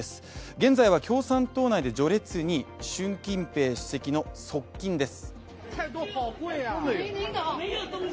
現在は共産党内で序列２位、習近主席の側近です。